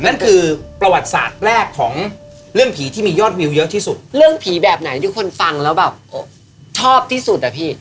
นั่นคือประวัติศาสตร์แรกของเรื่องผีที่มียอดวิวเยอะที่สุดเรื่องผีแบบไหนที่คนฟังแล้วแบบชอบที่สุดอะพี่